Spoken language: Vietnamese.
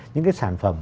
những cái sản phẩm